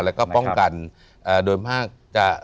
แล้วก็ป้องกันโดยมากจะ